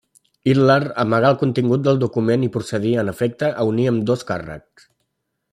Hitler amagà el contingut del document i procedí, en efecte, a unir ambdós càrrecs.